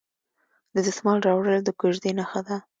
د دسمال راوړل د کوژدې نښه ده.